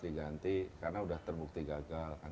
diganti karena udah terbuka buka